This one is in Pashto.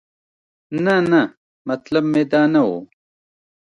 نه نه مطلب مې دا نه و.